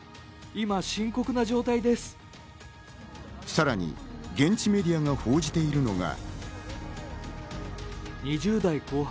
さらに現地メディアが報じているのが。